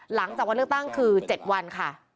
หลังจากวันเลือกตั้งคือ๗วันค่ะ